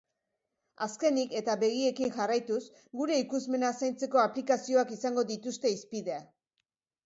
Azkenik, eta begiekin jarraituz, gure ikusmena zaintzeko aplikazioak izango dituzte hizpide.